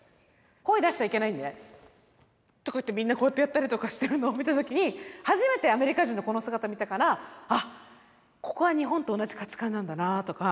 声出しちゃいけないんでみんなこうやってやったりとかしてるのを見た時に初めてアメリカ人のこの姿見たからあっここは日本と同じ価値観なんだなとか。